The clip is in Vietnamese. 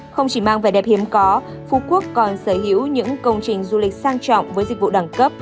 không chỉ mang vẻ đẹp hiếm có phú quốc còn sở hữu những công trình du lịch sang trọng với dịch vụ đẳng cấp